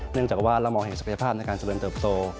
เนื่องจากว่าเรามองเห็นศักยภาพในการเจริญเติบโต